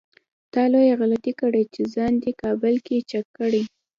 تا لويه غلطي کړې چې ځان دې کابل کې چک کړی.